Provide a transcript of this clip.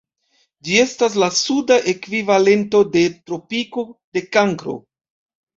Ĝi estas la suda ekvivalento de tropiko de Kankro.